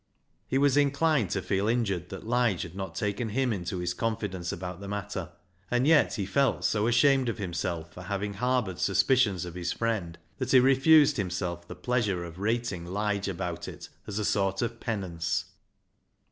He was in clined to feel injured that Lige had not taken him into his confidence about the matter, and yet he felt so ashamed of himself for having LIGE'S LEGACY 173 harboured suspicions of his friend that he refused himself the pleasure of rating Lige about it as a sort of penance.